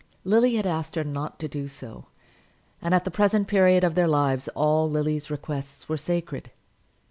Lily had asked her not to do so, and at the present period of their lives all Lily's requests were sacred.